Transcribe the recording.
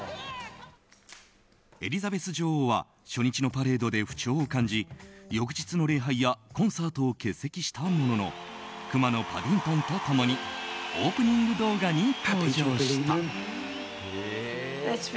エリザベス女王は初日のパレードで不調を感じ翌日の礼拝やコンサートを欠席したものの「くまのパディントン」と共にオープニング動画に登場した。